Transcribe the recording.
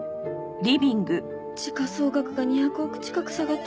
時価総額が２００億近く下がってます。